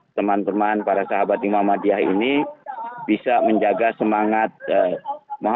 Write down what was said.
kepentingan politik pasti masuk ke dalam pemilihan pimpinan dan pemerintahan